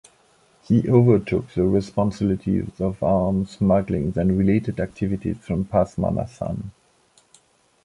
He overtook the responsibilities of arms smuggling and related activities from Pathmanathan.